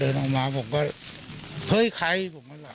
ส่วนนางสุธินนะครับบอกว่าไม่เคยคาดคิดมาก่อนว่าบ้านเนี่ยจะมาถูกภารกิจนะครับ